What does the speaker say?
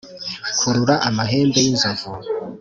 kurura amahembe y’inzozi.